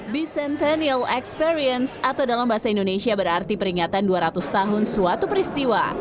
becentanial experience atau dalam bahasa indonesia berarti peringatan dua ratus tahun suatu peristiwa